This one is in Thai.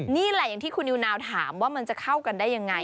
อย่างที่คุณนิวนาวถามว่ามันจะเข้ากันได้ยังไง